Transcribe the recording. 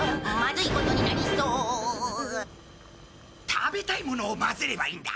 食べたいものを混ぜればいいんだ。